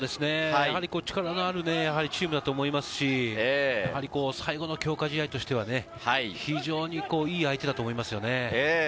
力のあるチームだと思いますし、最後の強化試合としては、非常にいい相手だと思いますね。